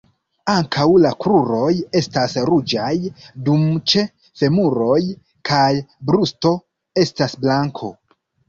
Ankaŭ la kruroj estas ruĝaj, dum ĉe femuroj kaj brusto estas blanko.